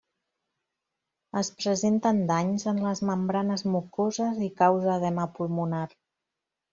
Es presenten danys en les membranes mucoses i causa edema pulmonar.